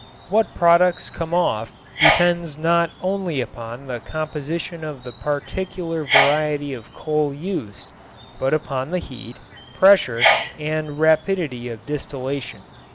What products come off depends not only upon the composition of the particular variety of coal used, but upon the heat, pressure and rapidity of distillation.